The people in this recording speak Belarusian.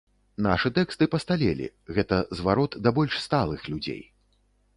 Нашы тэксты пасталелі, гэта зварот да больш сталых людзей.